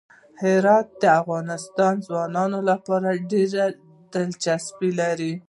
هرات د افغان ځوانانو لپاره ډېره دلچسپي لري.